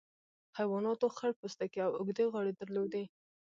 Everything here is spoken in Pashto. حیواناتو خړ پوستکي او اوږدې غاړې درلودې.